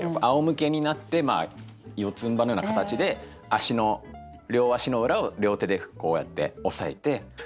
あおむけになって四つんばいのような形で足の両足の裏を両手でこうやって押さえて。